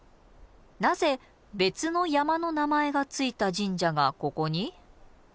なぜ別の山の名前が付いた神社がここに？